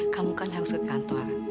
kamu kan harus ke kantor